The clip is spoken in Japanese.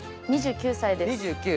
２９歳です。